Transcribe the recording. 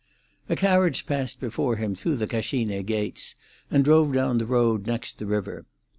A carriage passed before him through the Cascine gates, and drove down the road next the river.